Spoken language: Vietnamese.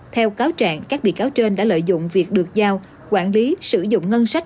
theo cáo trạng các bị cáo trên đã lợi dụng việc được giao quản lý sử dụng ngân sách